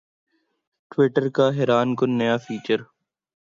Twitter کا حیران کن نیا فیچر